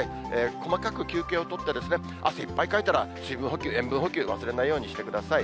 細かく休憩を取って、汗いっぱいかいたら水分補給、塩分補給、忘れないようにしてください。